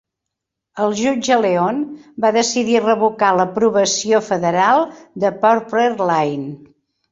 El jutge Leon va decidir revocar l'aprovació federal de Purple Line.